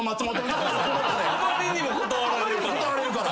あまりにも断られるから。